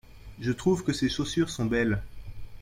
Je trouve que ces chaussures sont belles.